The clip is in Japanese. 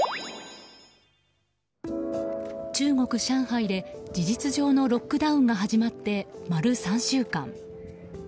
中国・上海で事実上のロックダウンが始まって丸３週間。